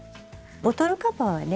ボトルカバーはね